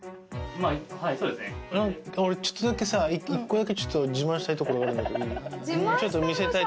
俺ちょっとだけ１個だけ自慢したいところあるんだけど。